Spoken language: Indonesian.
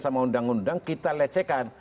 sama undang undang kita lecehkan